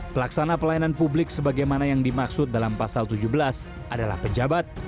pelaksana pelayanan publik sebagaimana yang dimaksud dalam pasal tujuh belas adalah pejabat